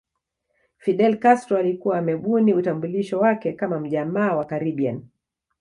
Fidel Castro alikuwa amebuni utambulisho wake kama mjamaa wa Caribbean